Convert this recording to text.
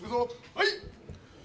はい！